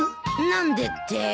何でって？